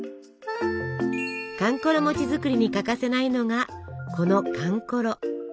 かんころ餅作りに欠かせないのがこのかんころ。